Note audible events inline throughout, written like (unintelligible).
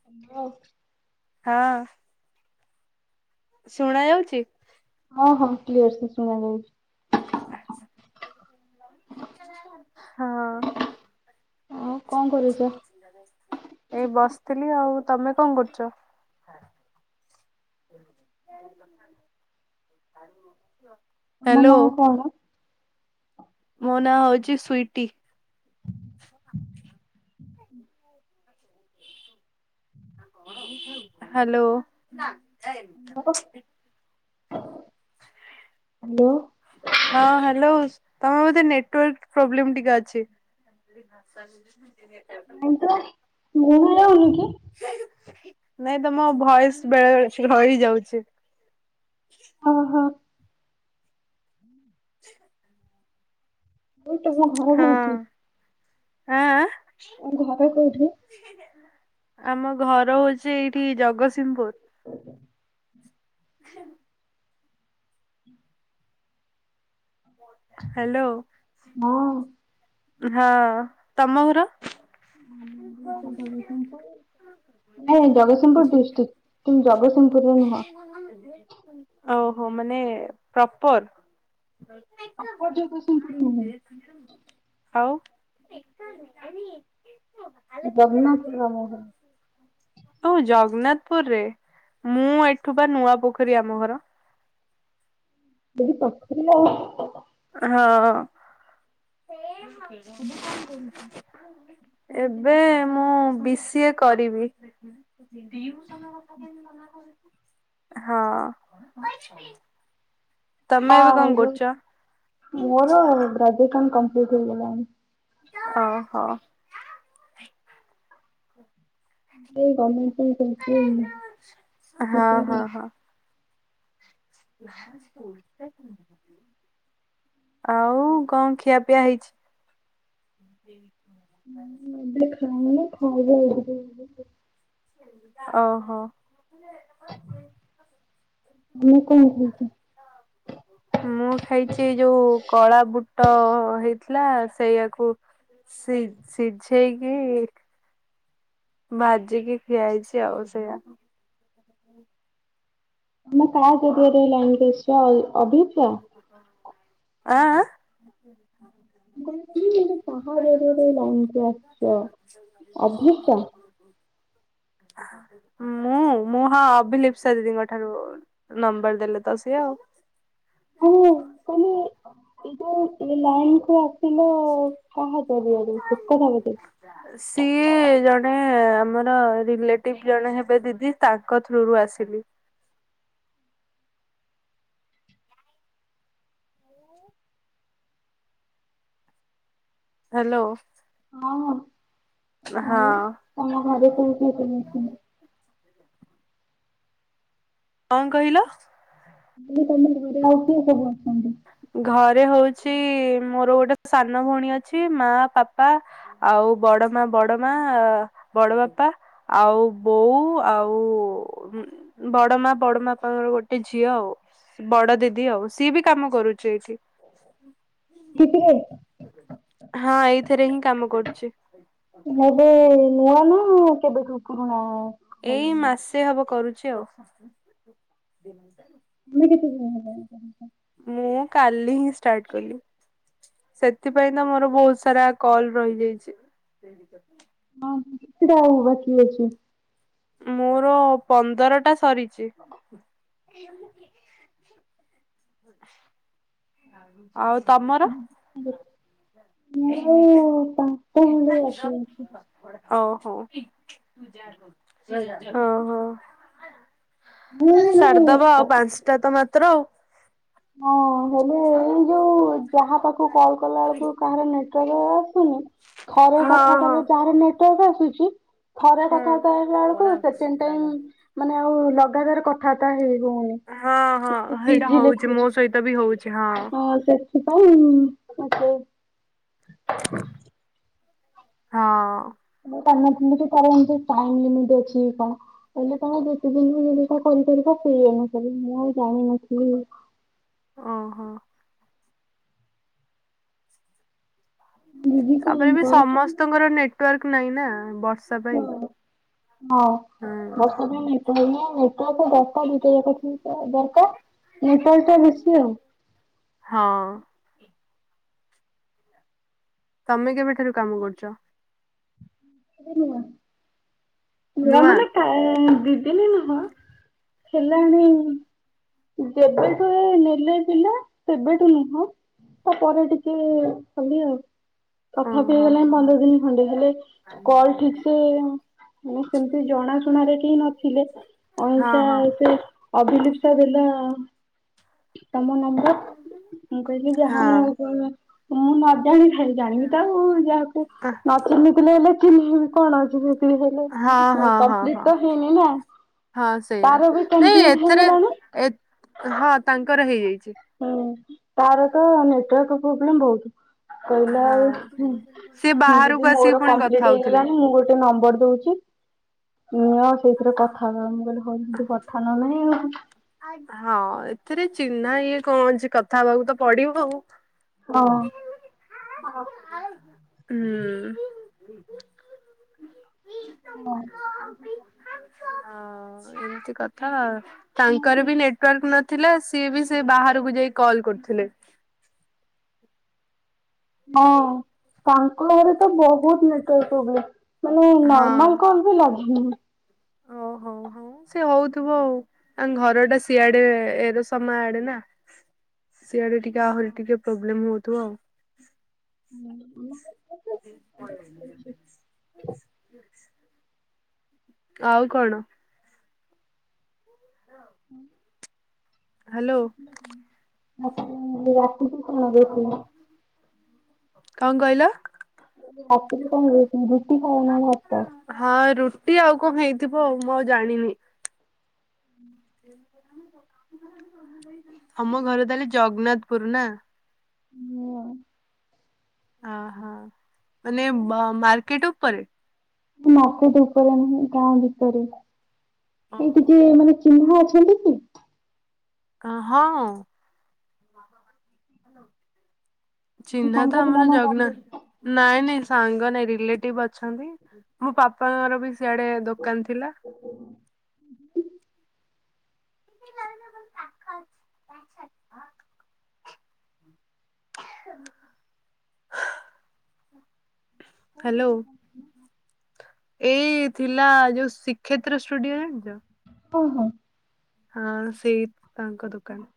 (unintelligible) ହଁ। ଶୁଣା ଯାଉଚି? ହଁ ହଁ କ୍ଲିଅର ସେ ଶୁଣା ଯାଉଛି। ହଁ। ଆଉ କଣ କରୁଛ? ଏଇ ବସିଥିଲି ଆଉ ତମେ କଣ କରୁଛ? (unintelligible) ତମ ହ୍ୟାଲୋ ନାଁ କଣ? ମୋ ନାଁ ହେଉଛି ସ୍ବିଟି। ହ୍ୟାଲୋ। (inaudible) ହ୍ୟାଲୋ। ହଁ ହ୍ୟାଲୋ, ତମେ ବୋଧେ ନେଟୱାର୍କ ପ୍ରୋବ୍ଲେମ ଟିକେ ଅଛି।। (inaudible) (inaudible) କି? ନାଇଁ ତମ ଭଏସ ବେଳେ ବେଳେ ରହି ଯାଉଛି। ହଁ ହଁ ମୁଁ ତମ (unintelligible) ଆଁ ଆଁ। ତମ ଘର କୋଉଠି? ଆମ ଘର ହଉଛି ଏଇଠି ଜଗତସିଂହପୁର। ଓହୋ। (unintelligible) ହ୍ୟାଲୋ। ହଁ। ହଁ, ତମ ଘର? (inaudible) ନାଇଁ ଜଗତସିଂହପୁର ଡିଷ୍ଟ୍ରିକ୍ କିନ୍ତୁ ଜଗତସିଂହପୁରରେ ନୁହଁ। ଓହୋ ମାନେ ପ୍ରପର। ପ୍ରପର ଜଗତସିଂହପୁର ନୁହେଁ। (inaudible) ଆଉ। ରଘନାଥପୁର ଆମ ଘର। ଓହୋ ଜଗନ୍ନାଥପୁରରେ। ମୁଁ ଏଠୁ ବା ନୂଆ ପୋଖରୀ ଆମ ଘର। (unintelligible) ପାଖରେ ଆଉ। ହଁ। ଏବେ କଣ କରୁଛ? ଏବେ ମୁଁ ବି ସି ଏ କରିବି। (inaudible) ହଁ। ତମେ ଏବେ ହଁ କଣ କରୁଛ? (inaudible) ମୋର ଗ୍ରାଜୁଏସନ କମ୍ପ୍ଲିଟ ହେଇଗଲାଣି। ଓହୋ। (unintelligible) ହଁ ହଁ ହଁ। ନା ସ୍କୁଲ ଟା ଆଉ କଣ ଖିଆପିଆ ହେଇଛି? (unintelligible) ହୁଁ ଏବେ ଖାଇନି ଖାଇବି ଆଉ ଟିକେ ପରେ। ଓହୋ। ମୁଁ କଣ କହୁଚ। (unintelligible) ମୁଁ ଖାଇଛି ଯୋଉ କଳା ବୁଟ ହେଇଥିଲା ସେଇଆକୁ ସି ସିଝେଇକି ଭାଜିକି ଖିଆ ହେଇଛି ଆଉ ସେଇଆକୁ। ଆମେ କାହା ଜରିିଆରେ ଲାଇନ ଅଛି ଆଉ ଅଭିଜ୍ୟ। ଆଁ ଆଁ। (inaudible) (unintelligible) କହିଲି କାହା ଜରିଆରେ ଲାଇନ କୁ ଆସିଛ ଅଭିପ୍ସା ମୁଁ ମୁଁ ହଁ ଅଭିଲିପ୍ସା ଦିଦିଙ୍କ ଠାରୁ ନମ୍ବର ଦେଲେ ତ ସିଏ ଆଉ। (inaudible) ଏ ଯୋଉ ଏ ଲାଇନ କୁ ଆସିଲେ କାହା ଜରିଆରେ ସେ କଥା ପଚାରୁଛି। (inaudible) ସିଏ ଜଣେ ଆମର ରିଲେଟିଭି ଜଣେ ହେବେ ଦିଦି ତାଙ୍କ ଥ୍ରୁରୁ ଆସିଲି। ହାଲୋ। ହଁ। ହଁ। ଆଉ ତମ ଘରେ କିଏ କିଏ ସବୁ ଅଛନ୍ତି? କଣ କହିଲ? ମୁଁ କହିଲି ତମ ଘରେ ଆଉ କିଏ ସବୁ ଅଛନ୍ତି? ଘରେ ହଉଛି ମୋର ଗୋଟେ ସାନ ଭଉଣୀ ଅଛି ମା ପାପା ଆଉ ବଡ଼ ମା ବଡ଼ ମା ବଡ଼ ବାପା ଆଉ ବୋଉ ଆଉ ହୁଁ। ବଡ ମା ବଡ ମା ପାପାର ଗୋଟେ ଝିଅ ଆଉ ବଡ ଦିଦି ଆଉ ସିଏ ବି କାମ କରୁଚି ଏଇଠି। କିଏ କିରେ? ହଁ ଏଇଥିରେ ହିଁ କାମ କରୁଚି। ଏବେ ନୂଆ ନା କେବେ ଠୁ ପୁରୁଣା ଏଇ ହେଇଗଲାଣି? ମାସେ ହବ କରୁଛି ଆଉ। ତମେ କେତେ ଦିନ ହେଲାନି କରୁଚ? ମୁଁ କାଲି ହିଁ ଷ୍ଟାର୍ଟ କଲି। ସେଥିପାଇଁ ତ ମୋର ବହୁତ ସାରା କଲ ରହିଯାଇଚି। ହଁ କେତେଟା ଆଉ ବାକି ଅଛି? ମୋର ପନ୍ଦରଟା ସରିଚି। (inaudible) ଆଉ ତମର? (inaudible) ମୋର ପାଞ୍ଚଟା ଖଣ୍ଡେ ହୋଉ ବାକି ଅଛି। ହୋଉ ଓ ହୋ। ମୁଁ ମାନେ ସାରିଦବା କ ଆଉ ପାଞ୍ଚଟା ତ ମାତ୍ର। ହଁ ହେଲେ ଏଇ ଯୋଉ ଯାହା ପାଖକୁ କଲ୍ କଲା ବେଳକୁ କାହାର ନେଟୱାର୍କ ଆସୁନି ଥରେ ହଁ କଥା କହିଲେ ହଁ ଯାହାର ନେଟୱାର୍କ ଆସୁଛି ଥରେ ହୁଁ କଥାବାର୍ତ୍ତା ହେଇଗଲା ବେଳକୁ ସେକେଣ୍ଡ ଟାଇମ ମାନେ ଆଉ ଲଗାତାର କଥାବାର୍ତ୍ତା ହେଇ ହଉନି ହଁ ହଁ ସେଇଟା ବିଜି ହଉଛି ଲେଖୁଛି। ମୋ ସହିତ ବି ହଉଛି ହଁ ହଁ ସେଥି ପାଇଁ ମତେ (inaudible) ହଁ କାମ ଥିଲୁ କି ତାର ଟାଇମ ଲିମିଟି ଅଛି କଣ କହିଲେ ତାଙ୍କ ଯେତେ ଦିନ ବି ଯଦି ତା କରିପାରିବା ସେଇ ଅନୁସାରେ ମୁଁ ଆଉ ଜାଣିନଥିଲି ଅ ହୋ ଦିଦି କଣ ତାପରେ ବି କରୁଛନ୍ତି? ସମସ୍ତଙ୍କର ନେଟୱାର୍କ ନାହିଁ ନା ବର୍ଷ ଉଁ ହଁ ହୁଁ ବର୍ଷା କେମିତି ଏଇନା ନେଟୱାର୍କ ଡାଟା ଦିଟା ଯାକ ତ ଦରକାର ନେଟୱାର୍କ ବେଶୀ ଆଉ ହଁ ତମେ କେବେଠାରୁ କାମ କରୁଛ (inaudible) ନୁଆ ନୂଆ ମାନେ କା ଦି ଦିନି ନୁହଁ ହେଲାଣି ଯେବେଠୁ ନେଲେ ଜେଲେ ସେବେଠୁ ନୁହଁ ତାପରେ ଟିକେ କଲିି ଆଉ ତଥାପି ଓହୋ ହେଇଗଲାଣି ପନ୍ଦର ଦିନ ଖଣ୍ଡେ ହେଲେ କଲ ଠିକ ସେ ମାନେ ସେମିତି ଜଣାଶୁଣାରେ କେହି ନଥିଲେ ହଁ ଅହିଂସା ହଁ ସେ ଅଭିଲିପ୍ସା ଦେଲା ତମ ନମ୍ବ- ମୁଁ କହିଲି ହଁ ଯାହା ମୁଁ ମୁଁ ମଜାଣ ଖଲି ଜାଣିବି ତ ଆଉ ଯାହାକୁ ହଁ ନ ଚିହ୍ନିଥିଲେ ହେଲେ ଚିହ୍ନେଇିବି କଣ ଅଛି ସେଥିି ହେଲେ ହଁ ହଁ କମ୍ପ୍ଲିଟ ହଁ ତ ହେଇନି ନା। ହଁ ସେଇଆ ତାର ବି ନାଇଁ କମ୍ପ୍ଲିଟ ଏଥିରେ ହେଇଗଲାଣି। ଏ ହଁ ତାଙ୍କର ହେଇଯାଇଛି। ହୁଁ ତାର ତ ନେଟୱାର୍କ ପ୍ରୋବ୍ଲେମ ବହୁତ। କହିଲା ଆଉ ହଁ ସିଏ ଦିଦି ବାହାରକୁ ମୋର ଆସିକି ପୁଣି କଥା କମ୍ପ୍ଲିଟ ହଉଥିଲେ ହେଇଗଲାଣି ମୁଁ ଗୋଟେ ନମ୍ବର ଦଉଛି। ମୁଁ ଆଉ ସେଇଥିରେ କଥା ହବ ମୁଁ କହିଲି ହଉ କଥା ନ ହେଲେ ନାହିଁ ଆଉ ହଁ ଏଥିରେ ଚିହ୍ନା ଇଏ କଣ ଅଛି କଥା ହେବାକୁ ତ ପଡିବ ଆଉ। ହଁ। ହୁଁ। ହୁଁ। ହଁ। ହଁ ଏମିତି କଥା ଆଉ ତାଙ୍କର ବି ନେଟୱାର୍କ ନ ଥିଲା ସିଏ ବି ସେ ବାହାରକୁ ଯାଇ କଲ୍ କରୁଥିଲେ ହଁ ତାଙ୍କ ଘରେ ତ ବହୁତ ନେଟୱାର୍କ ପ୍ରବ୍ଲେମ ମାନେ ନର୍ମାଲ ହଁ କଲ ଲାଗୁନ ଓହୋ ହୋ। ହଁ ସେଏ ହଉଥିବ ଆଉ ତାଙ୍କ ଘର ଟା ସିଆଡେ ଏର ସମ ଆଡେ ନା। ସିଆଡେ ଟିକେ ଆହୁରି ଟିକେ ପ୍ରୋବ୍ଲେମ ହଉଥିବ ଆଉ ହୁଁ। (unintelligible) (unintelligible) (unintelligible) ଆଉ କଣ? ଉଁ? ହାଲୋ। ଆ ତୁ ରାତିକୁ କଣ ରୋଷେଇ? କଁ କହିଲ? କହିଲି ରାତିରେ କଁ ରୋଷେଇ ରୁଟି ଖାଇବ ନା ଭାତ? ହଁ ରୁଟି ଆଉ କଁ ହେଇଥିବ ଆଉ ମୁଁ ଆଉ ଜାଣିନି। ହୁଁ। ହମ ଘର ତାହେଲେ ଜଗନ୍ନାଥପୁର, ନାଁ? ହୁଁ। ଅ ହଁ ମାନେ ମ ମାର୍କେଟ ଉପରେ? ଉ ମାର୍କେଟ ଉପରେ ନୁହେଁ ଗାଁ ଭିତରେ ଏ ଓହୋ। ଟିକେ ମାନେ ଚିହ୍ନା ଅଛନ୍ତି କି? କା ହଁ। ଚିହ୍ନା ସାଙ୍ଗ ତ ପିଲା ଆମର ନା ଜଗନା ବନ୍ଧୁ? ନାଇଁ ନାଇଁ ସାଙ୍ଗ ନାଇଁ ରିଲେଟିଭ୍ ଅଛନ୍ତି। ମୋ ପାପାଙ୍କର ବି ସିଆଡେ ଦୋକାନ ଥିଲା। କୋଉଠି ହ୍ୟାଲୋ ଦୋକାନ ଥିଲା? ଏଇ ଥିଲା ଯୋଉ ଶୀକ୍ଷେତ୍ର ଷ୍ଟୁଡିଓ ଜାଣିଚ? ଓହୋ। ହଁ ସେଇ ତାଙ୍କ ଦୋକାନ।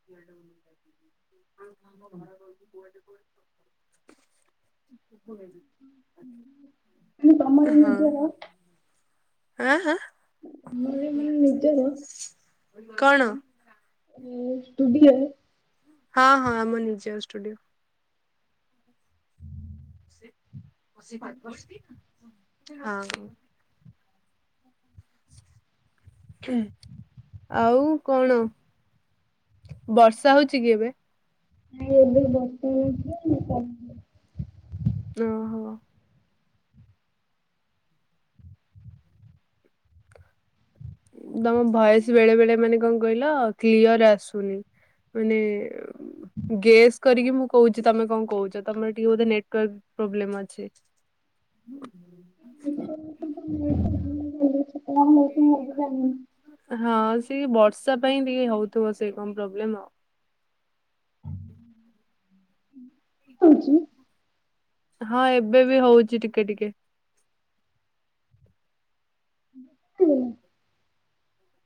(inaudible) ଆଉ ତମ ଘର କୋଉଚି କୁଆଡ଼େ (inaudible) (inaudible) ଉଁ ତମର ନିଜର? ଆଁ ଆଁ? ତମରି ଏ ମାନେ ନିଜର? କଣ? ଏ ଷ୍ଟୁଡିଅରେ। ହଁ ହଁ ଆମ ନିଜର ଷ୍ଟୁଡିଓ। (inaudible) (unintelligible) ଆଉ ଆଉ କଣ ବର୍ଷା ହଉଚି କି ଏବେ? ନାଇଁ ଏବେ ବର୍ଷା ହଉଥୁଲା ଏବେ କମ୍ ଓହୋ। ତମ ଭଏସ୍ ବେଳେ ବେଳେ ମାନେ କଁ କହିଲ କ୍ଲିୟର ଆସୁନି। ମାନେ ଗେସ୍ କରିକି ମୁଁ କୋହୁଚି ତମେ କଁ କହୁଚି ତମର ଟିକେ ବୋଧେ ନେଟୱାର୍କ ପ୍ରୋବ୍ଲେମ ଅଛି। ହୁଁ। ନେଟୱାର୍କ ଏଠି ତ ନେଟ ତ ଭଲ ଚାଲୁଚି। ଓ କେହି ବାଡ଼ି ଖଣ୍ଡ ହଁ ସେଇ ବର୍ଷା ପାଇଁ ଟିକେ ହଉଥୁବ ସେ କଁ ପ୍ରୋବ୍ଲେମ ଅ। ହଉଚି। ହଁ ଏବେ ବି ହଉଚି ଟିକେ ଟିକେ। (unintelligible)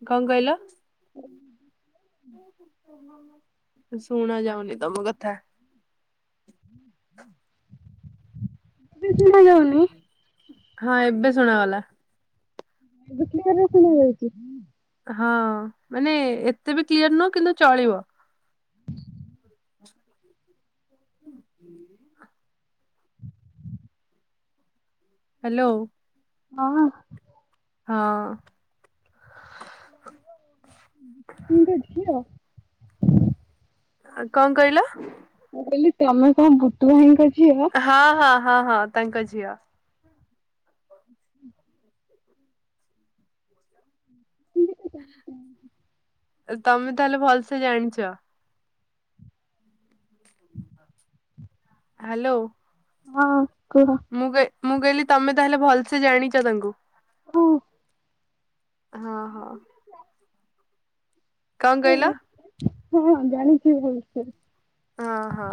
କଣ କହିଲ? (inaudible) ଶୁଣାଯାଉନି ତମ କଥା। ଏବେ ବି ଶୁଣାଯାଉନି? ହଁ ଏବେ ଶୁଣାଗଲା। ଏବେ କ୍ଲିୟରରେ ଶୁଣାଯାଉଛି। ହଁ ମାନେ ଏତେ ବି କ୍ଲିୟର ନୁହଁ କିନ୍ତୁ ଚଳିବ। (unintelligible) ହ୍ୟାଲୋ। ହଁ। ହଁ। ଗୁଟୁଙ୍କ ଝିଅ? ଆଉ କଣ କହିଲ? ମୁଁ କହିଲି ତମେ କଣ ବୁଟୁ ଭାଇଙ୍କ ଝିଅ? ହଁ ହଁ ହଁ ହଁ ତାଙ୍କ ଝିଅ। (inaudible) (inaudible) ତମେ ତାହେଲେ ଭଲସେ ଜାଣିଛ। ହଁ। ହ୍ୟାଲୋ। ହଁ କୁହ। ମୁଁ କହି ମୁଁ କହିଲି ତମେ ତାହେଲେ ଭଲସେ ଜାଣିଛ ତାଙ୍କୁ। ହୁଁ। ହଁ ହଁ। କଣ ଏ କହିଲ? ହଁ ଜାଣିଛି ଭଲସେ। ହଁ ହଁ।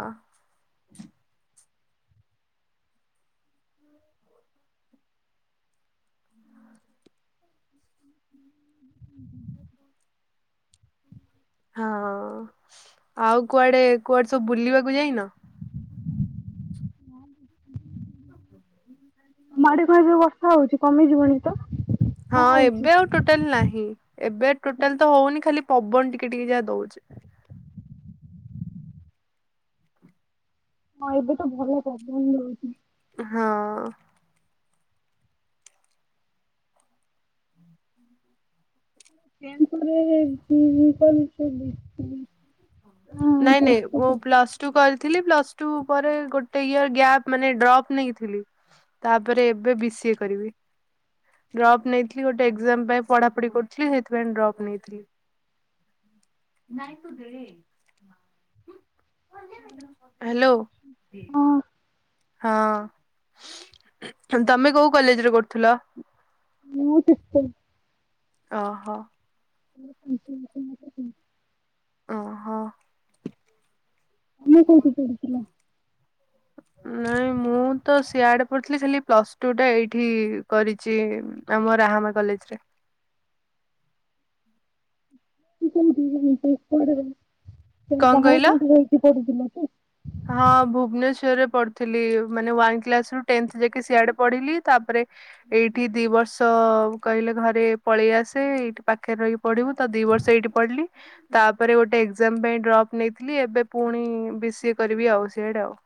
ହୁଁ। ହୁଁ। ହଁ ଆଉ କୁଆଡେ କୁଆଡେ ସବୁ ବୁଲିବାକୁ ଯାଇନ? ତମ ଆଡି (unintelligible) ହଉଛି କମିଯିବନି ତ? ହଁ ନା ହଉଛି? ଏବେ ଆଉ ଟୋଟାଲ ନାହିଁ ଏବେ ଟୋଟାଲ ତ ହଉନି ଖାଲି ପବନ ଟିକେ ଟିକେ ଯାହା ଦଉଛି। ହଁ ଏବେ ତ ଭଲ ପବନ୍ ଦଉଛି। ହଁ। ଟେଣ୍ଠରେ କରୁଥିଲି। ନାଇଁ ନାଇଁ ଓ ପ୍ଲଷ ଟୁ କରିଥିଲି ପ୍ଲସ ଟୁ ପରେ ଗୋଟେ ଇୟର ଗ୍ୟାପ୍ ମାନେ ଡ୍ରପ୍ ନେଇଥିଲି। ତାପରେ ଏବେ ବି ସିଏ କରିବି। ଡ୍ରପ୍ ନେଇଥିଲି ଗୋଟେ ଏକ୍ଜାମ ପାଇଁ ପଢାପଢି କରୁଥିଲି ସେଥିପାଇଁ ଡ୍ରପ୍ ନେଇଥିଲି। (unintelligible) ହ୍ୟାଲୋ। ହଁ ତମେ କୋଉ କଲେଜରେ କରୁଥିଲ? ମୁଁ (unintelligible) ଓହୋ। (unintelligible) ଓ ହୋ। କୋଉଠି ପଢୁଥିଲ ନାଇଁ ମୁଁ ମୁଁ ତ ସିଆଡେ଼ ପଢ଼ିଥିଲି ଖାଲି ପ୍ଲସ ଟୁ ଟା ଏଇଠି କରିଛି ଆମ ରାହାମା କଲେଜରେ। କୋଉଠି ଯାଇଛି ପ କଣ ବାହାରେ କହିଲ? କୋଉଠି ଯାଇକି ପଢ଼ୁଥିଲ କି? ହଁ ଭୁବନେଶ୍ୱରରେ ପଢ଼ୁଥିଲି ମାନେ ୱାନ କ୍ଲାସ୍ ରୁ ଟେନ୍ତ୍ ଯାଇକି ସିଆଡେ଼ ପଢିଲି ତାପରେ ଏଇଠି ଦି ବର୍ଷ କହିଲେ ଘରେ ପଳେଇ ଆସେ ଏଇଠି ପାଖରେ ରହି ପଢ଼ିବୁ ତ ଦି ବର୍ଷ ଏଇଠି ପଢ଼ିଲି। ତାପରେ ଗୋଟେ ଏକ୍ଜାମ୍ ପାଇଁ ଡ୍ରପ ନେଇଥିଲି ଏବେ ପୁଣି ବି ସିଏ କରିବି ଆଉ ସିଆଡେ ଆଉ।